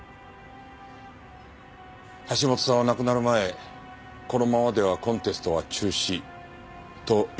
橋本さんは亡くなる前このままではコンテストは中止と言っていたそうです。